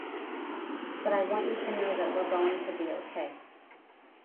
But I want you to know that we are going to be okay.